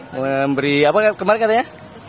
memberi apa kemarin katanya